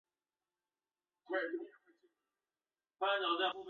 已经查到了